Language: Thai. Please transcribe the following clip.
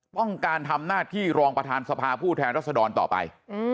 ต้องการทำหน้าที่รองประธานสภาผู้แทนรัศดรต่อไป